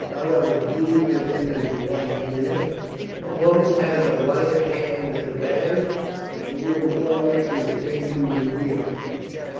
However, do with him as you like, Julia; a woman has a lighter hand than a man, and you are more likely to tame him than we are.